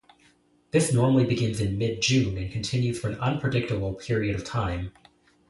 This normally begins in mid-June and continues for an unpredictable period of time.